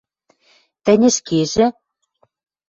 – Тӹнь ӹшкежӹ?